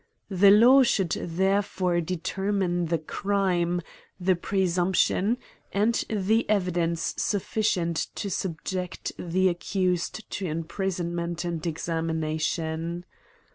The law should therefore deter mine the crime, the presumption, and the evi dence sufficient to subject the accused to impri sonment and examination.